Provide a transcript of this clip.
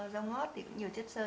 rau ngót thì cũng nhiều chất sơ